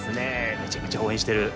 めちゃめちゃ応援してる。